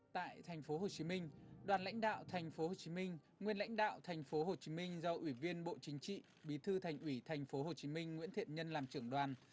tại tp hcm đoàn lãnh đạo tp hcm nguyên lãnh đạo tp hcm do ủy viên bộ chính trị bí thư thành ủy tp hcm nguyễn thiện nhân làm trưởng đoàn